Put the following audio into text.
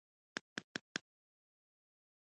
راکټ د ستورو منځ ته لاره خلاصه کړه